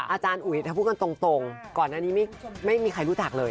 อุ๋ยถ้าพูดกันตรงก่อนอันนี้ไม่มีใครรู้จักเลย